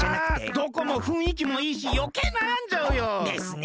どこもふんいきもいいしよけいなやんじゃうよ。ですね。